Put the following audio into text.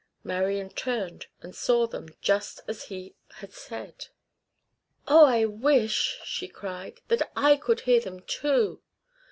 Marian turned and saw them, just as he had said. "Oh, I wish," she cried, "that I could hear them too."